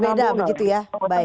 berbeda begitu ya baik